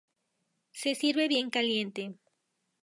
Se sirve bien caliente.